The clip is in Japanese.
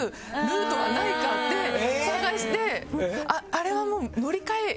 あれはもう。